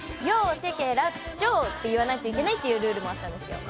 チェケラッチョと言わないといけないっていうルールもあったんですよ。